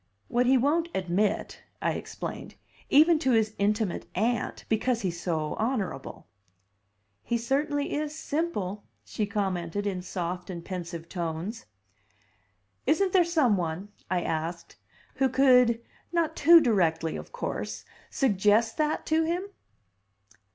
"What he won't admit," I explained, "even to his intimate Aunt, because he's so honorable." "He certainly is simple," she commented, in soft and pensive tones. "Isn't there some one," I asked, "who could not too directly, of course suggest that to him?"